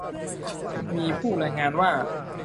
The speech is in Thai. มีผู้รายงานว่า